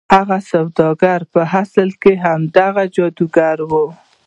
هغه سوداګر په اصل کې هماغه جادوګر و.